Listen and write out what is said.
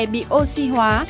bị oxy hóa